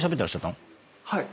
はい。